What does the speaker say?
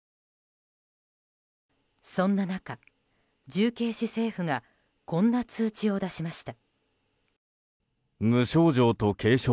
そんな中、重慶市政府がこんな通知を出しました。